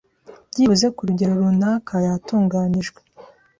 byibuze ku rugero runaka yatunganijwe